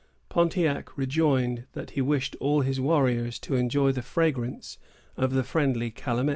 Pontiac rejoined, that he wished all his warriors to enjoy the fragrance of the friendly calumet.